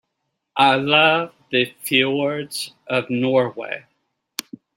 I love the fjords of Norway.